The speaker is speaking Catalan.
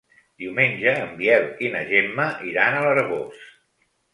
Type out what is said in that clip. Diumenge en Biel i na Gemma iran a l'Arboç.